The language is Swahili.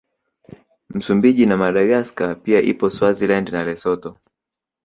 Msumbiji na Madagaska pia ipo Swaziland na Lesotho